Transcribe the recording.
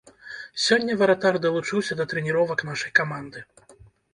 Сёння варатар далучыўся да трэніровак нашай каманды.